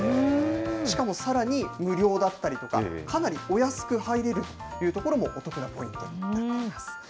しかもさらに無料だったりとか、かなりお安く入れるというところもお得なポイントだと思います。